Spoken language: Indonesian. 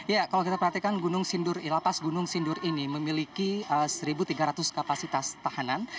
ya kalau kita perhatikan gunung sindur ilapas gunung sindur ini memiliki satu tiga ratus kapasitas tahanan